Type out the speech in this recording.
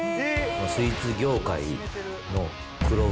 スイーツ業界の黒船。